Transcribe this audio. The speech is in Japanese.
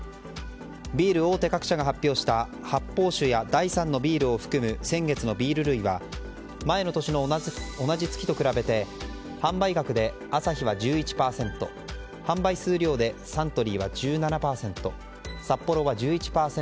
ビール大手各社が発表した発泡酒や第３のビールを含む先月のビール類は前の年の同じ月と比べて販売額でアサヒは１１％販売数量でサントリーは１７％サッポロは１１％。